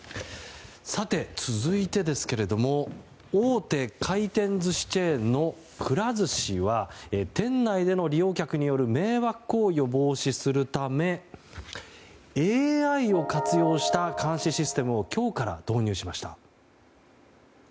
続いてですけれども大手回転寿司チェーンのくら寿司は店内での利用客による迷惑行為を防止するためＡＩを活用した監視システムを今日から導入しました。